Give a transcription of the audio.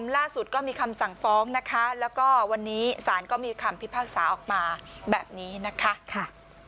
แล้วก็วันนี้สารก็มีคำพิภาษาออกมาแบบนี้นะคะ